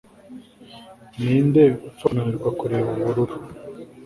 Ninde upfa kunanirwa kureba ubururu